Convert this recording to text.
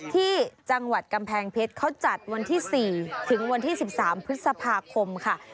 ที่จังหวัดกำแพงเพชรเขาจัดวันที่๔ถึงวันที่๑๓พฤษภาคมค่ะ